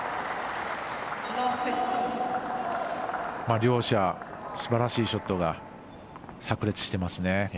両者すばらしいショットがさく裂していますね。